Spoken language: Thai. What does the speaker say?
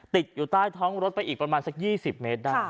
ติดอยู่ใต้ท้องรถไปอีกประมาณสัก๒๐เมตรได้